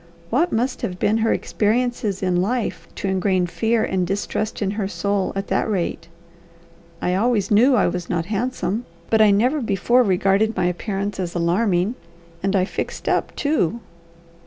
What must have been her experiences in life to ingrain fear and distrust in her soul at that rate? I always knew I was not handsome, but I never before regarded my appearance as alarming. And I 'fixed up,' too!"